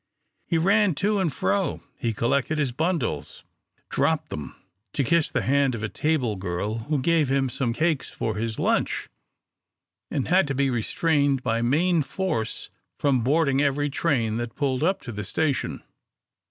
He ran to and fro, he collected his bundles, dropped them, to kiss the hand of a table girl who gave him some cakes for his lunch, and had to be restrained by main force from boarding every train that pulled up at the station.